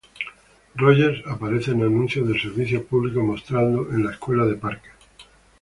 Rogers aparece en anuncios de servicio público mostrados en la escuela de Parker.